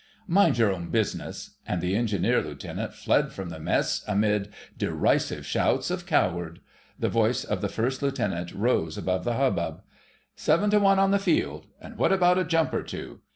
"Mind your own business," and the Engineer Lieutenant fled from the Mess amid derisive shouts of "Coward!" The voice of the First Lieutenant rose above the hubbub— "Seven to one on the field—and what about a jump or two?